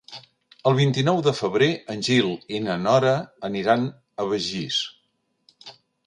El vint-i-nou de febrer en Gil i na Nora aniran a Begís.